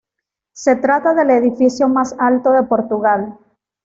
Se trata del edificio más alto de Portugal.